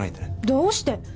どうして？